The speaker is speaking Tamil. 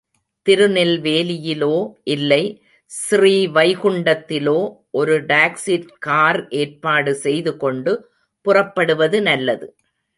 திருநெல்வேலியிலோ இல்லை ஸ்ரீவைகுண்டத்திலோ ஒரு டாக்சி கார் ஏற்பாடு செய்து கொண்டு புறப்படுவது நல்லது.